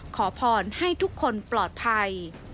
ขอพรให้ทุกคนปลอดภัย